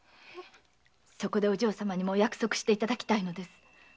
そこでお嬢様にも約束していただきたいのです。